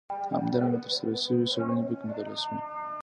همدارنګه ترسره شوې څېړنې پکې مطالعه شوي.